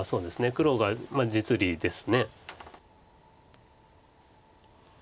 黒が実利です。